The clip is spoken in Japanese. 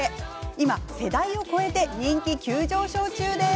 今、世代を超えて人気急上昇中です。